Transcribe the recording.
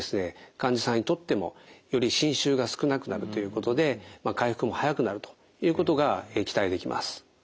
患者さんにとってもより侵襲が少なくなるということで回復も早くなるということが期待できます。